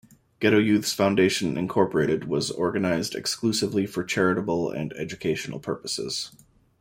Ghetto Youths Foundation, Incorporated was organized exclusively for charitable and educational purposes.